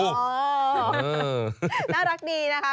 น่ารักดีนะคะ